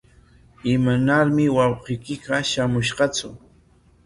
¿Imanarmi wawqiyki shamunqatsu?